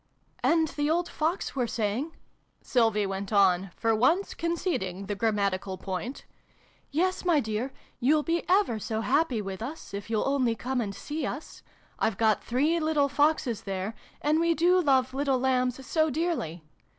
" And the old Fox were saying," Sylvie went on, for once conceding the grammatical point, "' Yes, my dear, you'll be ever so happy with us, if you'll only come and see us ! I've got three little Foxes there, and we do love little Lambs so dearly